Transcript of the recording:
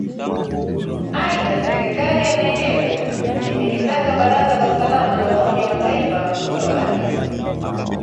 aidha serikali ya nigeria imelitaka baraza la usalama la umoja wa mataifa kutoa agizo